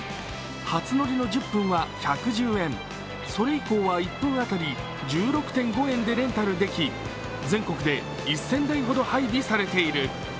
初乗りの１０分は１１０円それ以降は１分当たり１６．５円でレンタルでき全国で１０００代ほど配備されている。